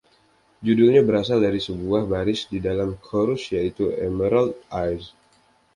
Judulnya berasal dari sebuah baris di dalam chorus, yaitu “Emerald Eyes”.